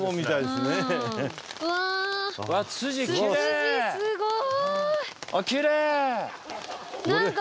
すごい！